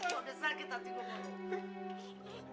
lo udah sakit hati gua mak